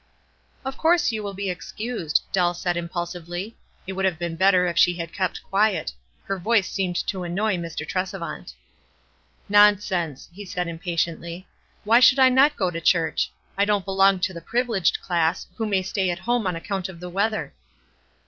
"Of course you will be excused," Dell said, impulsively. It would have been better if she had kept quiet. Her voice seemed to annoy Mr. Tresevaut. "Nonsense!" he said impatiently. "Why should I not go to church? I don't belong to the privileged class, who may stay at home on account of the weather."